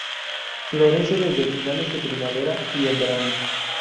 Florece desde finales de primavera y en verano.